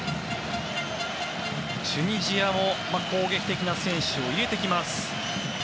チュニジアも攻撃的な選手を入れてきます。